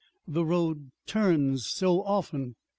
The road turns so often.